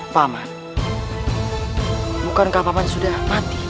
paman bukan kau paman sudah mati